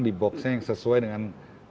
di boxnya yang sesuai dengan